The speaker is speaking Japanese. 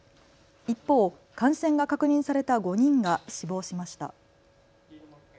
一方、感染が確認された５人が死亡しました。